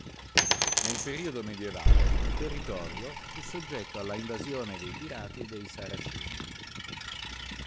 Nel periodo medioevale, il territorio, fu soggetto alla invasione dei pirati e dei saraceni.